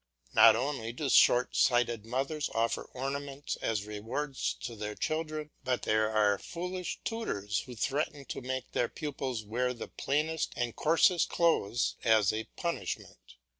Not only do short sighted mothers offer ornaments as rewards to their children, but there are foolish tutors who threaten to make their pupils wear the plainest and coarsest clothes as a punishment.